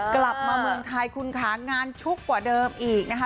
กลับมาเมืองไทยคุณค่ะงานชุกกว่าเดิมอีกนะคะ